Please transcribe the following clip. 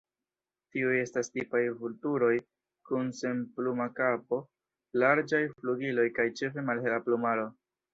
Tiuj estas tipaj vulturoj, kun senpluma kapo, larĝaj flugiloj kaj ĉefe malhela plumaro.